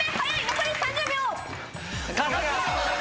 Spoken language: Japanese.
残り３０秒！